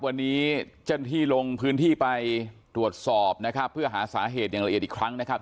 วันนี้เจ้าหน้าที่ลงพื้นที่ไปตรวจสอบนะครับเพื่อหาสาเหตุอย่างละเอียดอีกครั้งนะครับ